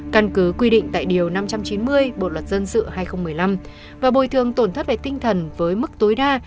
căn cứ quy định tại điều năm trăm chín mươi bộ luật dân sự hai nghìn một mươi năm và bồi thường tổn thất về tinh thần với mức tối đa